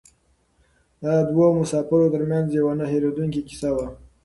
دا د دوو مسافرو تر منځ یوه نه هېرېدونکې کیسه وه.